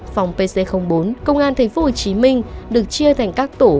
phòng pc bốn công an thành phố hồ chí minh được chia thành các tủ